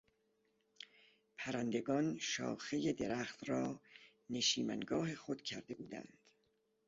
پرندگان شاخهی درخت را نشیمنگاه خود کرده بودند.